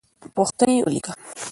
پوښتنې ولیکه.